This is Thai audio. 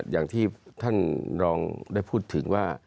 อย่างที่ท่านรองได้พูดถึงว่า